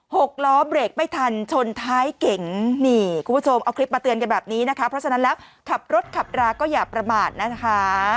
หกล้อเบรกไม่ทันชนท้ายเก๋งนี่คุณผู้ชมเอาคลิปมาเตือนกันแบบนี้นะคะเพราะฉะนั้นแล้วขับรถขับราก็อย่าประมาทนะคะ